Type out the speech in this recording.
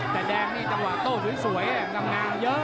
แต่แดงนี้จะแวะโต้สวยลำนางเยอะ